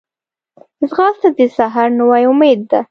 ځغاسته د سحر نوی امید ده